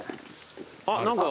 あっ何か。